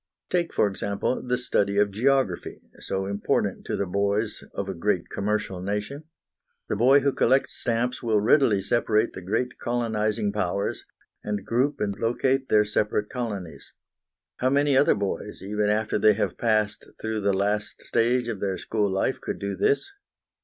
Take, for example, the study of geography, so important to the boys of a great commercial nation. The boy who collects stamps will readily separate the great colonising powers, and group and locate their separate colonies. How many other boys, even after they have passed through the last stage of their school life, could do this?